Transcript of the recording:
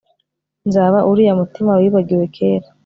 Nzaba uriya mutima wibagiwe kera